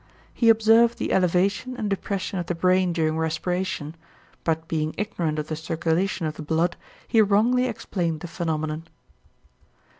He observed the elevation and depression of the brain during respiration, but being ignorant of the circulation of the blood, he wrongly explained the phenomenon.